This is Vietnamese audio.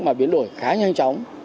mà biến đổi khá nhanh chóng